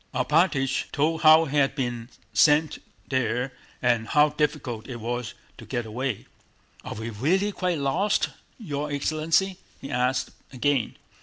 Alpátych told how he had been sent there and how difficult it was to get away. "Are we really quite lost, your excellency?" he asked again.